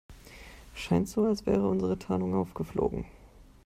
Scheint so, als wäre unsere Tarnung aufgeflogen.